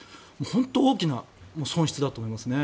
本当に大きな損失だと思いますね。